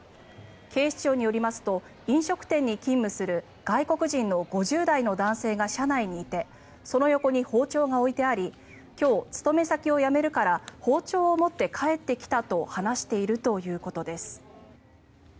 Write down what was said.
警視庁によりますと飲食店に勤務する外国人の５０代の男性が車内にいてその横に包丁が置いてあり今日、勤め先を辞めるから包丁を持って帰ってきたと話しているということです。